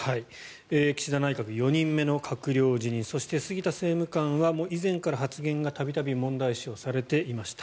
岸田内閣４人目の閣僚辞任そして、杉田政務官は以前から発言が度々、問題視されていました。